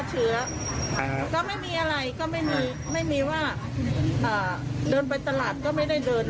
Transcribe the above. ฆ่าเฉือก็ไม่มีอะไรก็ไม่มีว่าเดินไปตลาดก็ไม่ได้เดินนะคะ